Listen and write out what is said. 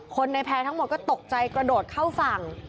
ในแพร่ทั้งหมดก็ตกใจกระโดดเข้าฝั่ง